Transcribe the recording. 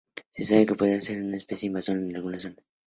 Se sabe que puede ser una especie invasora en algunas zonas.